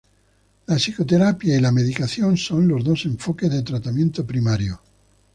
La psicoterapia y la medicación son los dos enfoques de tratamiento primario.